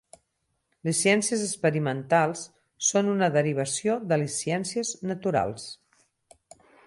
Les ciències experimentals són una derivació de les ciències naturals.